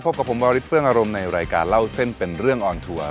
พบกับผมวาริสเฟื้องอารมณ์ในรายการเล่าเส้นเป็นเรื่องออนทัวร์